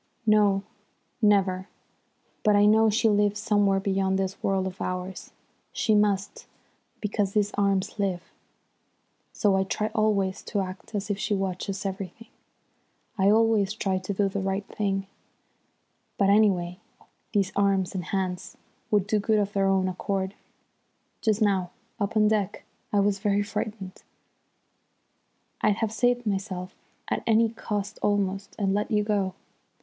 "No, never. But I know she lives somewhere beyond this world of ours. She must, because these arms live. So I try always to act as if she watches everything. I always try to do the right thing, but, anyway, these arms and hands would do good of their own accord. Just now up on the deck I was very frightened. I'd have saved myself at any cost almost, and let you go.